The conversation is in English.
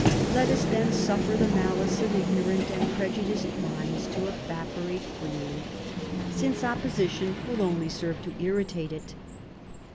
Let us then suflfer the malice of ignorant and prejudiced minds to evaporate freely, since opposition will only serve to irritate it."